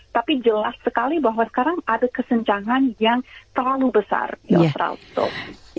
tapi jelas sekali bahwa sekarang ada kesenjangan yang terlalu besar di australia